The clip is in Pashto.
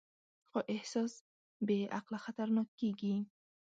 خو احساس بېعقله خطرناک کېږي.